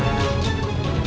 aku mau ke rumah